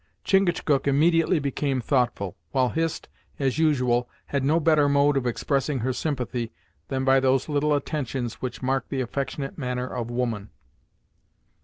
Chingachgook immediately became thoughtful, while Hist, as usual, had no better mode of expressing her sympathy than by those little attentions which mark the affectionate manner of woman.